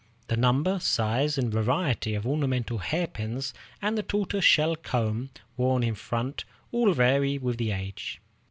The number, size, and variety of ornamental hairpins, and the tortoise shell comb worn in front, all vary with the age.